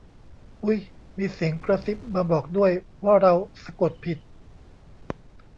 อุ๊ย มีเสียงกระซิบมาบอกด้วย ว่าเราสะกดผิด